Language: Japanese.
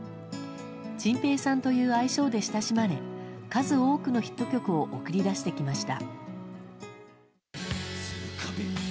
チンペイさんという愛称で親しまれ数多くのヒット曲を送り出してきました。